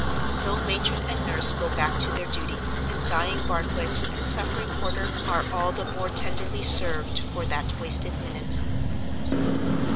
So matron and nurse go back to their duty, and dying Bartlett and suffering Porter are all the more tenderly served for that wasted minute.